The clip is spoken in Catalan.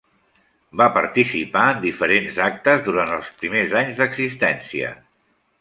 Van participar en diferents actes durant els primers anys d'existència.